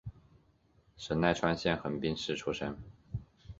神奈川县横滨市出身。